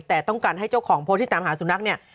แต่ต้องการให้เจ้าของโพสต์ที่ตามหาสุนัขเนี่ย